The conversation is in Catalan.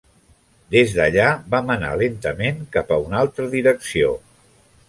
Des d'allà vam anar lentament cap a una altra direcció.